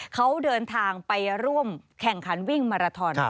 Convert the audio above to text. เขาเดินทางไปร่วมแข่งขันวิ่งมาราทอน